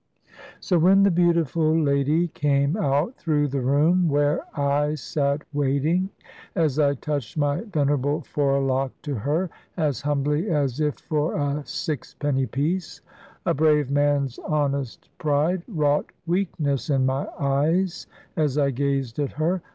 So when the beautiful lady came out through the room where I sate waiting, as I touched my venerable forelock to her (as humbly as if for a sixpenny piece), a brave man's honest pride wrought weakness in my eyes, as I gazed at her.